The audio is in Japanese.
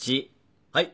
はい。